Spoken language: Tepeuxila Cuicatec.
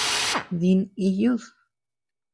Dín iyúd.